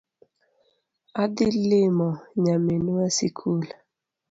Adhi limo nyaminwa sikul